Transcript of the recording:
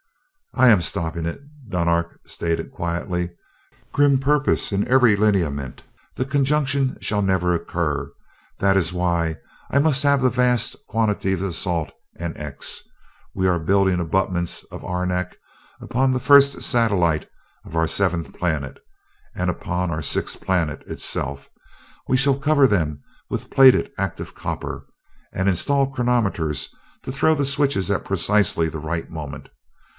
"I am stopping it," Dunark stated quietly, grim purpose in every lineament. "That conjunction shall never occur. That is why I must have the vast quantities of salt and 'X'. We are building abutments of arenak upon the first satellite of our seventh planet, and upon our sixth planet itself. We shall cover them with plated active copper, and install chronometers to throw the switches at precisely the right moment.